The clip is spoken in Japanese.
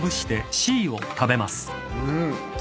うん。